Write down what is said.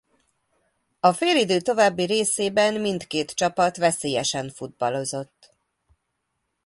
A félidő további részében mindkét csapat veszélyesen futballozott.